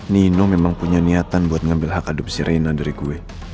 nino memang punya niatan buat ngambil hak adopsi reina dari gue